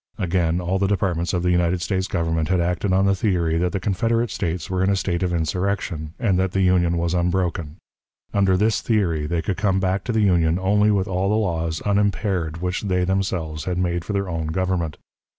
Again, all the departments of the United States Government had acted on the theory that the Confederate States were in a state of insurrection, and that the Union was unbroken; under this theory, they could come back to the Union only with all the laws unimpaired which they themselves had made for their own government.